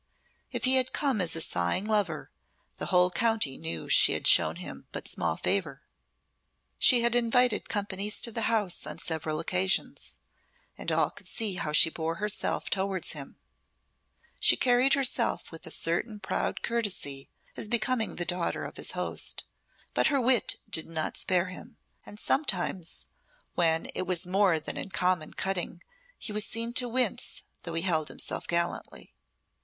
If he had come as a sighing lover, the whole county knew she had shown him but small favour. She had invited companies to the house on several occasions, and all could see how she bore herself towards him. She carried herself with a certain proud courtesy as becoming the daughter of his host, but her wit did not spare him, and sometimes when it was more than in common cutting he was seen to wince though he held himself gallantly.